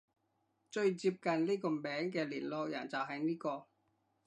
最接近呢個名嘅聯絡人就係呢個